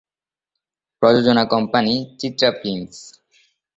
প্রযোজনা company- Chitra films.